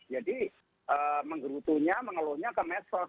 jadi menggerutunya mengeluhnya ke medsos